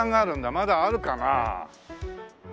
まだあるかな？